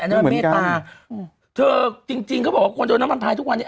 นั่นเมตตาอืมเธอจริงจริงเขาบอกว่าคนโดนน้ำมันพายทุกวันนี้